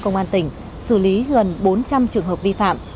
công an tỉnh xử lý gần bốn trăm linh trường hợp vi phạm